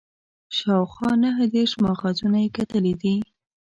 شاوخوا نهه دېرش ماخذونه یې کتلي دي.